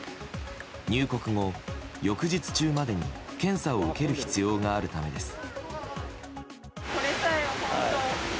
入国後、翌日中までに検査を受ける必要があるためです。